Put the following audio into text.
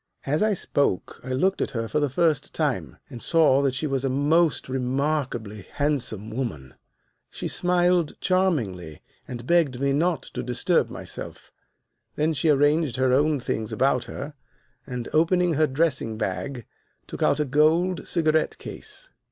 "As I spoke I looked at her for the first time, and saw that she was a most remarkably handsome woman. "She smiled charmingly and begged me not to disturb myself. Then she arranged her own things about her, and, opening her dressing bag, took out a gold cigarette case.